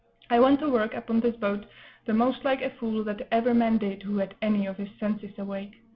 I went to work upon this boat the most like a fool that ever man did who had any of his senses awake.